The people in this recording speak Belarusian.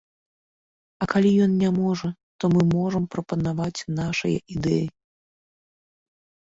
А калі ён не можа, то мы можам прапанаваць нашыя ідэі.